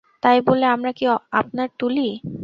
তাই বলে আমরা কি আপনার তুলি?